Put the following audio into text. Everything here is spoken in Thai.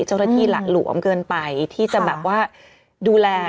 เจ้าหน้าที่หลักหลวมเกินไปที่จะแบบว่าดูแล